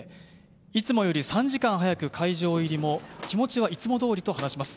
いつもより３時間早く会場入りも、気持ちはいつもどおりと話します。